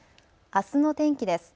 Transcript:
あすの天気です。